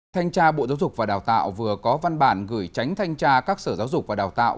thanh tra bộ giáo dục và đào tạo vừa có văn bản gửi tránh thanh tra các sở giáo dục và đào tạo